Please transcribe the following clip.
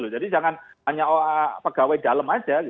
jadi jangan hanya pegawai dalam saja